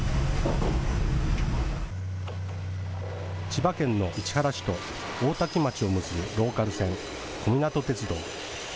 千葉県の市原市と大多喜町を結ぶローカル線、小湊鐵道。